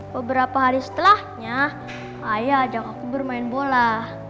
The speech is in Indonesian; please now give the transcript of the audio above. beberapa hari setelahnya ayah ajak aku bermain bola